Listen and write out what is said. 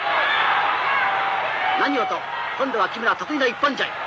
何をと今度は木村得意の一本背負い。